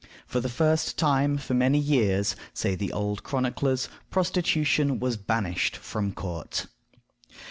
For the first time for many years, say the old chroniclers, prostitution was banished from court.